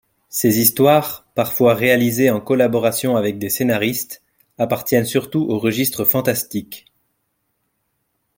Ses histoires, parfois réalisées en collaboration avec des scénaristes, appartiennent surtout au registre fantastique.